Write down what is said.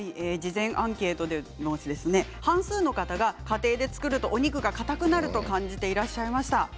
事前アンケートでもですね半数の方が家庭で作るとお肉がかたくなると感じていらっしゃいました。